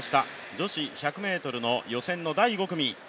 女子１００ｍの予選の第５組。